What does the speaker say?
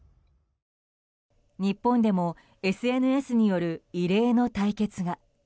日本でもＳＮＳによる異例の対決が。